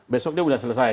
besok dia sudah selesai